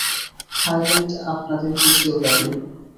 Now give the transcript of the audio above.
Thailand আপনাদের দ্বিতীয় বাড়ি।